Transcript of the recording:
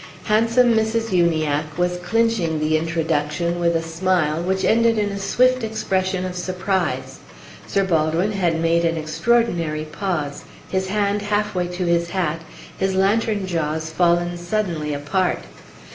Handsome Mrs. Uniacke was clinching the introduction with a smile, which ended in a swift expression of surprise. Sir Baldwin had made an extraordinary pause, his hand half way to his hat, his lantern jaws fallen suddenly apart.